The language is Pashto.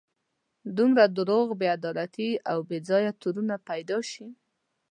دومره دروغ، بې عدالتي او بې ځایه تورونه پیدا شي.